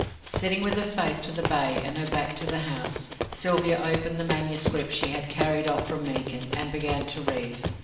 Sitting with her face to the bay and her back to the house, Sylvia opened the manuscript she had carried off from Meekin, and began to read.